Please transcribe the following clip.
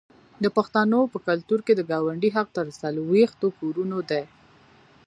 د پښتنو په کلتور کې د ګاونډي حق تر څلوېښتو کورونو دی.